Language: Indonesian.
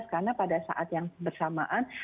karena pada saat yang bersamaan